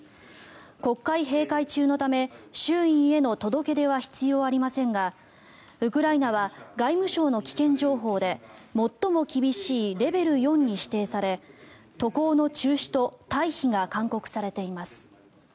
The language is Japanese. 国会閉会中のため衆院への届け出は必要ありませんがウクライナは外務省の危険情報で最も厳しいレベル４に指定され渡航の中止と退避が勧告されています。